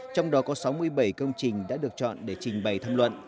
trong đó có sáu mươi bảy công trình đã được chọn để trình bày tham luận